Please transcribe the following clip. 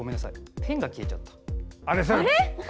ペンが消えちゃった。